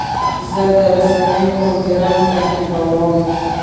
زه د رسنیو پروګرام تعقیبوم.